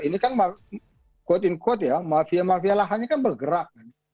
ini kan quote unquote ya mafia mafia lahannya kan bergerak